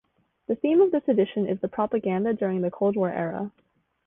The theme of this edition is the propaganda during the Cold War era.